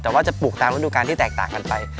แต่ว่าจะปลูกตามฤดูการที่แตกต่างกันไป